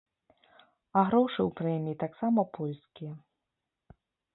А грошы ў прэміі таксама польскія.